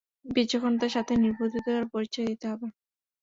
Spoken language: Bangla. বিচক্ষণতার সাথে নির্বুদ্ধিতার পরিচয়ও দিতে হবে।